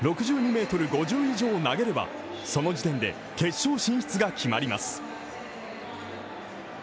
６２ｍ５０以上を投げれば、その時点で決勝進出が決まります。